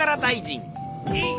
えっ！